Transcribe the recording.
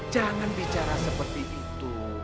jangan bicara seperti itu